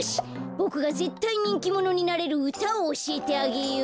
ぼくがぜったいにんきものになれるうたをおしえてあげよう！